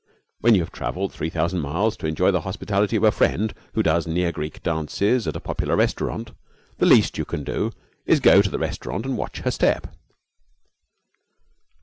When you have travelled three thousand miles to enjoy the hospitality of a friend who does near Greek dances at a popular restaurant, the least you can do is to go to the restaurant and watch her step.